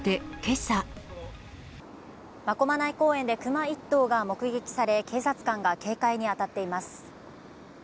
真駒内公園でクマ１頭が目撃され、警察官が警戒に当たっています。